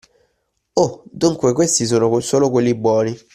Oh, dunque questi sono solo quelli buoni.